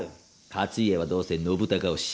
勝家はどうせ信孝推し。